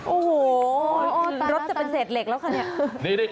โอ้โหรถจะเป็นเศษเหล็กแล้วคะเนี่ย